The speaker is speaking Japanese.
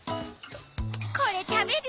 これたべる？